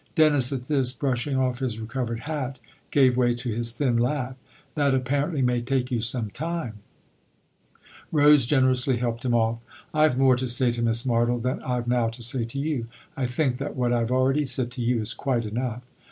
Dennis at this, brushing off his recovered hat, gave way to his thin laugh. " That apparently may take you some time !" Rose generously helped him off. " I've more to say to Miss Martle than I've now to say to you. I think that what I've already said to you is quite enough.